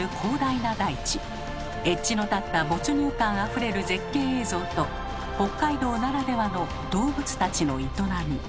エッジの立った没入感あふれる絶景映像と北海道ならではの動物たちの営み。